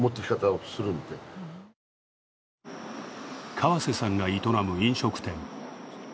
川瀬さんが営む飲食店。